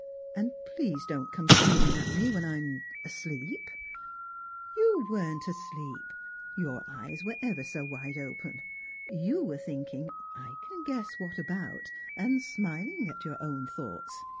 And please don't come screaming at me when I'm — asleep." " You weren't asleep ; your eyes were ever so wide open. You were thinking — I can guess what about — and smiling at your own thoughts.